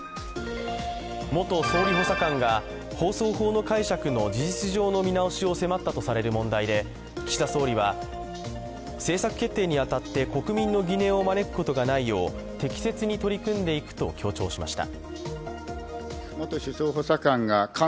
元総理補佐官が放送法の解釈の事実上の見直しを迫ったとされる問題で、岸田総理は政策決定に当たって国民の疑念を招くことがないよう適切に取り組んでいくと強調しました。